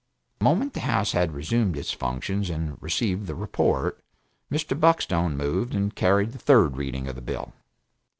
The moment the House had resumed its functions and received the report, Mr. Buckstone moved and carried the third reading of the bill.